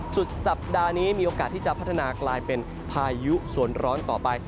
สุดสัปดาห์นี้มีโอกาสที่จะพัฒนากลายเป็นพายุสวนร้อนต่อไป